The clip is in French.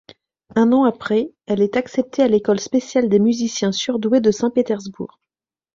Un an après, elle est acceptée à l'École spéciale des musiciens surdoués de Saint-Pétersbourg.